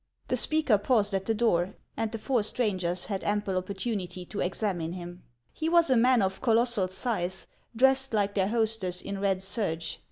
The speaker paused at the door, and the four strangers had ample opportunity to examine him.. He was a man of colossal size, dressed, like their hostess, in red serge.